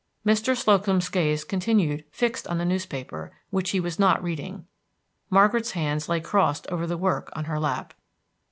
Mr. Slocum's gaze continued fixed on the newspaper which he was not reading. Margaret's hands lay crossed over the work on her lap.